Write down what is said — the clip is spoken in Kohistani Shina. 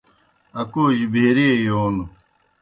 اکوجیْ بھیریئے یون